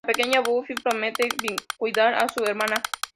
La pequeña Buffy promete cuidar a su hermana.